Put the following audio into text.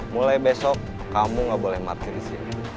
mulai besok kamu gak boleh mati disini